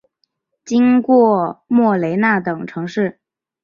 经过莫雷纳等城市。